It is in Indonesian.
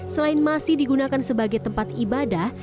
selain masih digunakan sebagai tempat ibadah